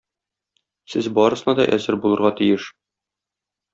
Сез барысына да әзер булырга тиеш.